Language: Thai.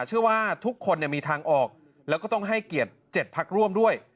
เชื่อว่าทุกคนมีทางออกแล้วก็ต้องให้เกียรติ๗พักร่วมด้วย